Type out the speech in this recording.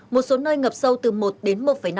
một số nơi ngập sâu từ một đến một năm